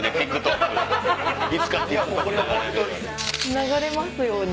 流れますように！